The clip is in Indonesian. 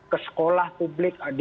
ke sekolah publik